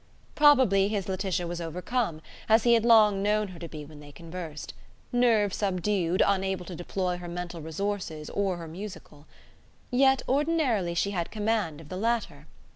Probably his Laetitia was overcome, as he had long known her to be when they conversed; nerve subdued, unable to deploy her mental resources or her musical. Yet ordinarily she had command of the latter.